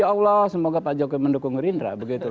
ya allah semoga pak jokowi mendukung gerindra begitu